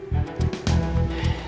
gak akan kecil